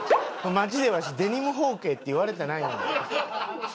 街でわしデニム包茎って言われたないのに。